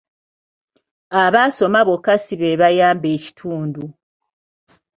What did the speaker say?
Abaasoma bokka si be bayamba ekitundu.